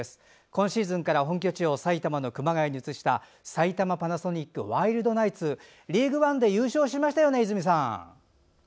今シーズンから本拠地を埼玉の熊谷に移した埼玉パナソニックワイルドナイツリーグワンで優勝しましたよね、泉さん。